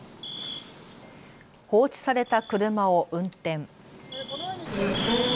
放置された車を運転。